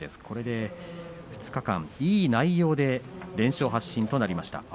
これで２日間、いい内容で連勝発進となりました。